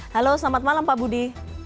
halo selamat malam pak budi